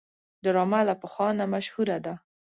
ډرامه له پخوا نه مشهوره ده